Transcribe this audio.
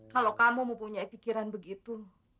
kalau kamu mempunyai pikiran begitu